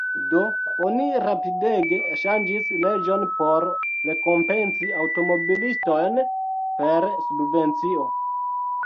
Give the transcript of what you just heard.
Do oni rapidege ŝanĝis leĝon por rekompenci aŭtomobilistojn per subvencio.